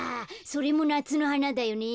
それもなつのはなだよね。